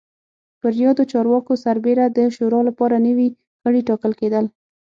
پر یادو چارواکو سربېره د شورا لپاره نوي غړي ټاکل کېدل